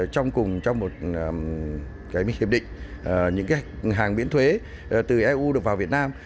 trong một hiệp định những hàng biển thuế từ eu được vào việt nam